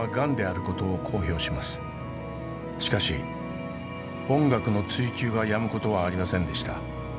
しかし音楽の追求がやむことはありませんでした。